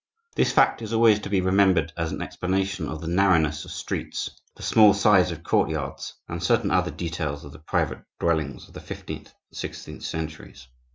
This fact is always to be remembered as an explanation of the narrowness of streets, the small size of courtyards, and certain other details of the private dwellings of the fifteenth and sixteenth centuries.